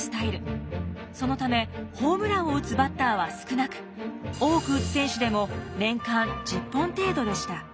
そのためホームランを打つバッターは少なく多く打つ選手でも年間１０本程度でした。